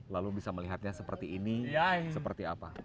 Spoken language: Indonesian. lalu bisa melihatnya seperti ini seperti apa